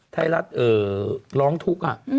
ไทยรัฐร้องทุกข์